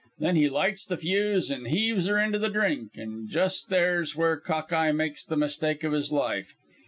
Then he lights the fuse an' heaves her into the drink, an' just there's where Cock eye makes the mistake of his life.